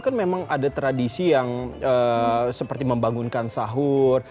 kan memang ada tradisi yang seperti membangunkan sahur